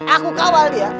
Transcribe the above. aku kawal dia